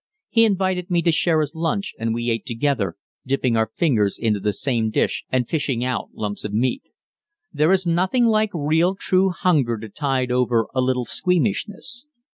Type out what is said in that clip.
He invited me to share his lunch and we ate together, dipping our fingers into the same dish and fishing out lumps of meat. There is nothing like real true hunger to tide over a little squeamishness.